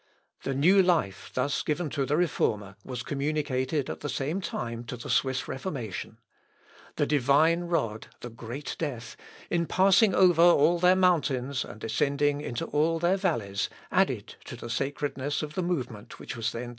The new life thus given to the Reformer was communicated at the same time to the Swiss Reformation. The Divine rod, the great death, in passing over all their mountains and descending into all their valleys, added to the sacredness of the movement which was then taking place.